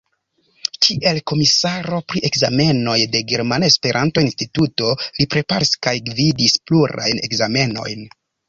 Kiel komisaro pri ekzamenoj de Germana Esperanto-Instituto li preparis kaj gvidis plurajn ekzamenojn.